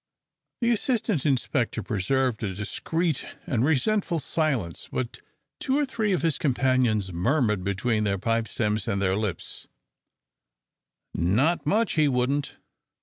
The assistant inspector preserved a discreet and resentful silence, but two or three of his companions murmured between their pipe stems and their lips, "Not much he wouldn't."